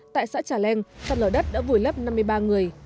tại xã trà leng sạt lở đất đã vùi lấp năm mươi ba người